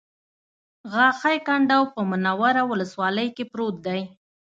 غاښی کنډو په منوره ولسوالۍ کې پروت دی